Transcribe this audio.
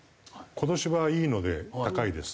今年はいいので高いです